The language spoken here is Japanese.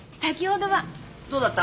どうだった？